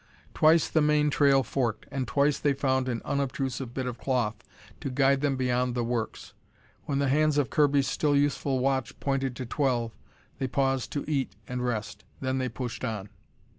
Twice the main trail forked, and twice they found an unobtrusive bit of cloth to guide them beyond the works. When the hands of Kirby's still useful watch pointed to twelve, they paused to eat and rest. Then they pushed on.